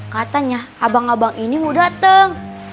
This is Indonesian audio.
katanya abang abang ini mau datang